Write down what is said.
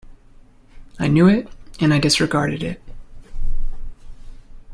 I knew it, and I disregarded it.